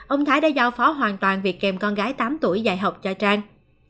ông thái đã giao phó hoàn toàn việc kèm con gái tám tuổi dạy học cho trang